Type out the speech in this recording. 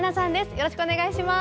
よろしくお願いします。